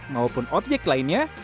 maupun objek lainnya